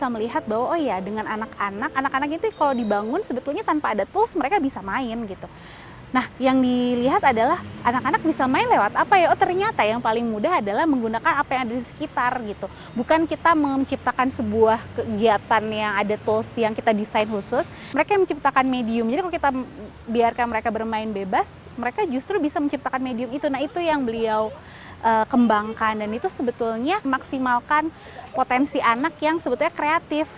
maksimalkan potensi anak yang sebetulnya kreatif